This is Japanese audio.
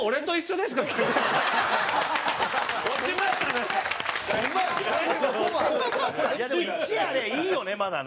でも、１ありゃいいよねまだね。